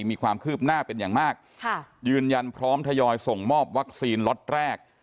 มีความคืบหน้าเป็นอย่างมากค่ะยืนยันพร้อมทยอยส่งมอบวัคซีนล็อตแรก